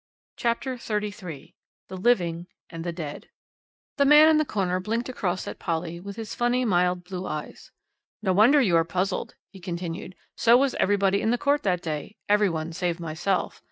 CHAPTER XXXIII THE LIVING AND THE DEAD The man in the corner blinked across at Polly with his funny mild blue eyes. "No wonder you are puzzled," he continued, "so was everybody in the court that day, every one save myself.